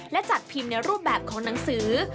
และจัดพิมพ์ในรูปแบบของหนังสือ